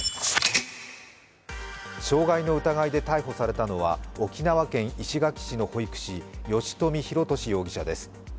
傷害の疑いで逮捕されたのは、沖縄県石垣市の保育士、吉冨弘敏容疑者です。